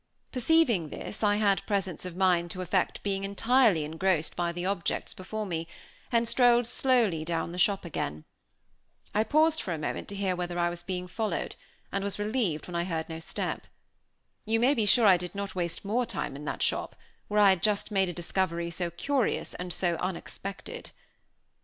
Perceiving this, I had presence of mind to affect being entirely engrossed by the objects before me, and strolled slowly down the shop again. I paused for a moment to hear whether I was followed, and was relieved when I heard no step. You may be sure I did not waste more time in that shop, where I had just made a discovery so curious and so unexpected.